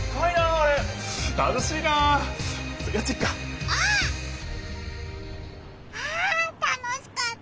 あ楽しかった！